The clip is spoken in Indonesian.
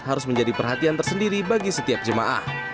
harus menjadi perhatian tersendiri bagi setiap jemaah